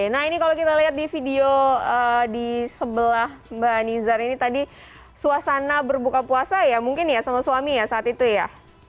nah ini kalau kita lihat di video di sebelah mbak nizar ini tadi suasana berbuka puasa ya mungkin ya sama suami ya saat itu ya